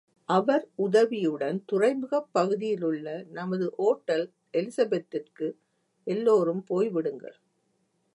அவர் உதவியுடன் துறைமுகப் பகுதியிலுள்ள நமது ஒட்டல் எலிசபெத்திற்கு எல்லோரும் போய் விடுங்கள்.